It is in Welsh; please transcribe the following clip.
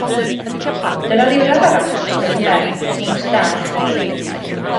Dyna ddiwrnod arall wedi dod i ben, nos da i chi gyd.